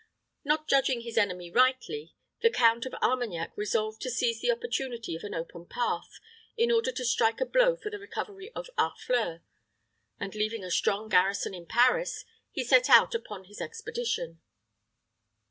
"Not judging his enemy rightly, the Count of Armagnac resolved to seize the opportunity of an open path, in order to strike a blow for the recovery of Harfleur; and, leaving a strong garrison in Paris, he set out upon his expedition.